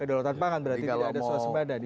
kedaulatan pangan berarti tidak ada swasembada di sini